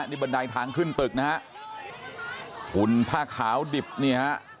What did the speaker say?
นี่บันไดทางขึ้นตึกนะฮะหุ่นผ้าขาวดิบเนี่ยฮะ